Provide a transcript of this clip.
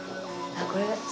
あっこれ？